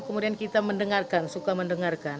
kemudian kita mendengarkan suka mendengarkan